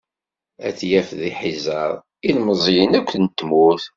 Ad t-yaf deg Ḥiẓer, ilmeẓyen akk n tmurt.